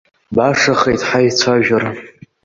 Башахеит ҳаицәажәара.